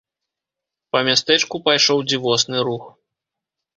Па мястэчку пайшоў дзівосны рух.